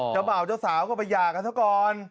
เจ้าบ่าวเจ้าสาวก็ไปหย่ากันซะก่อน